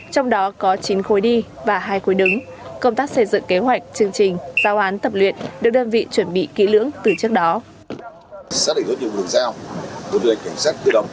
trong đó có chín khối đi và hai khối đứng công tác xây dựng kế hoạch chương trình giao án tập luyện được đơn vị chuẩn bị kỹ lưỡng từ trước đó